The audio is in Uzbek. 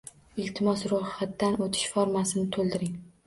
Iltimos, roʻyxatdan oʻtish formasini toʻldiring.